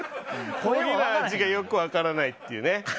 コーヒーの味がよく分からないっていうね。